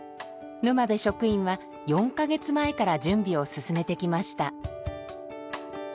沼邉職員は４か月前から準備を進めてきました。